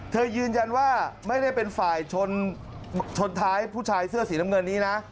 ยืนยันว่าไม่ได้เป็นฝ่ายชนท้ายผู้ชายเสื้อสีน้ำเงินนี้นะ